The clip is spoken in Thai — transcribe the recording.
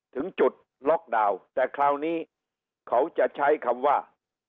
ถึงจุดล็อกดาวน์แต่คราวนี้เขาจะใช้คำว่า